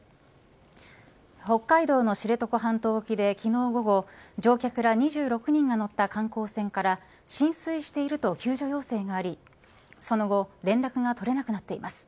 北海道の知床半島沖で昨日午後乗客ら２６人が乗った観光船から浸水していると救助要請がありその後連絡が取れなくなっています。